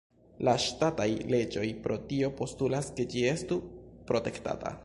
La ŝtataj leĝoj pro tio postulas ke ĝi estu protektata.